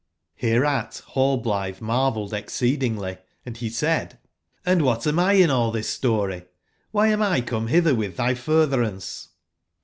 Hereat Rallblitbe marvelled exceedingly, and be said: *'Hnd wbat am I in all tbis story ? (Hby am 1 come bitber witb tby f urtberan ce